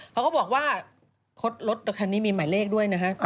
เขาก็บอกว่ารถคันนี้มีหมายเลขด้วยนะฮะ